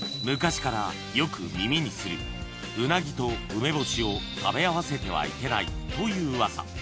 ［昔からよく耳にするウナギと梅干しを食べ合わせてはいけないという噂］